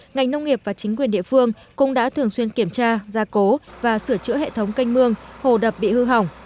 ngành nông nghiệp và chính quyền địa phương cũng đã thường xuyên kiểm tra gia cố và sửa chữa hệ thống canh mương hồ đập bị hư hỏng